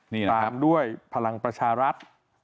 นี่นะครับตามด้วยพลังประชารัฐ